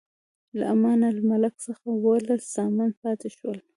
له امان الملک څخه اووه لس زامن پاتې شول.